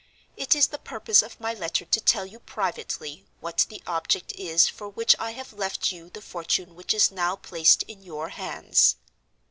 It is the purpose of my letter to tell you privately what the object is for which I have left you the fortune which is now placed in your hands.